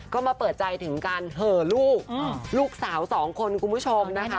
ก็มาเปิดใจถึงการเหอลูกลูกสาวสองคนคุณผู้ชมนะคะ